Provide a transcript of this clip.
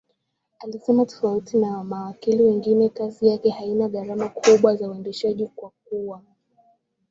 Alisema tofauti na mawakili wengine kazi yake haina gharama kubwa za uendeshaji kwa kuwa